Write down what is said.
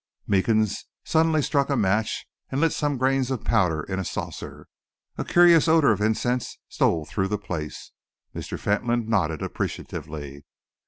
Meekins suddenly struck a match and lit some grains of powder in a saucer. A curious odour of incense stole through the place. Mr. Fentolin nodded appreciatively.